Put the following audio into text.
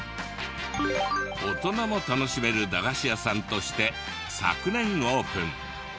大人も楽しめる駄菓子屋さんとして昨年オープン。